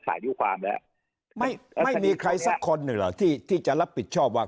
อายุความแล้วไม่ไม่มีใครสักคนหนึ่งเหรอที่ที่จะรับผิดชอบว่า